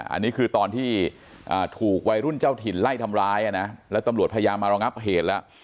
อันนี้คือตอนที่ถูกวัยรุ่นเจ้าถิ่นไล่ทำร้ายแล้วตำรวจพยายามมารองับเหตุแล้ว